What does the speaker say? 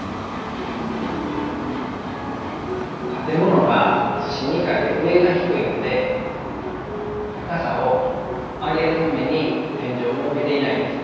建物が厨子二階で上が低いので高さを上げるために天井を設けていないんです。